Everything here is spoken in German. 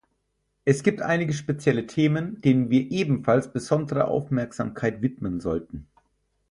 Es gibt einige spezielle Themen, denen wir ebenfalls besondere Aufmerksamkeit widmen sollten.